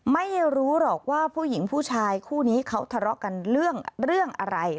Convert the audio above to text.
ไม่รู้หรอกว่าผู้หญิงผู้ชายคู่นี้เขาทะเลาะกันเรื่องอะไร